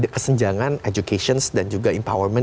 kesenjangan educations dan juga empowerment